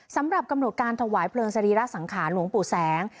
สำหรับกำหนดการถวายเพลิงสรีระสังขารหลวงปู่แสง